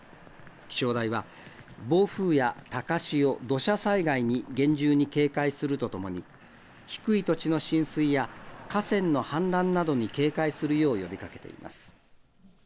気象台は暴風や高潮、土砂災害に厳重に警戒するとともに低い土地の浸水や河川の氾濫などに警戒するよう呼びかけています。